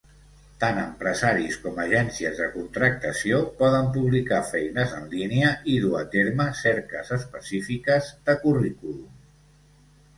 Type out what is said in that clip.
Tan empresaris com agències de contractació poden publicar feines en línia i dur a terme cerques específiques de currículum.